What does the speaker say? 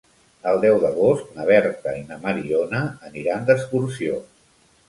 El deu d'agost na Berta i na Mariona aniran d'excursió.